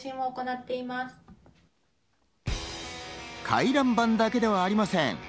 回覧板だけではありません。